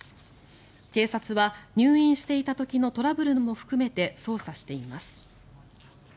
警察は入院していた時のトラブルも含めて捜査しています。